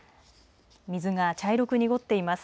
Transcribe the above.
水が茶色く濁っています。